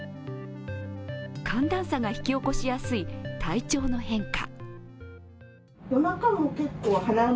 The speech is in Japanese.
寒暖差が引き起こしやすい体調の変化。